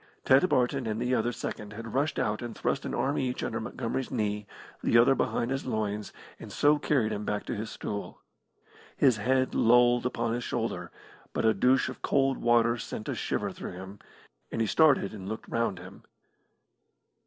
Ted Barton and the other second had rushed out and thrust an arm each under Montgomery's knee, the other behind his loins, and so carried him back to his stool. His head lolled upon his shoulder, but a douche of cold water sent a shiver through him, and he started and looked round him.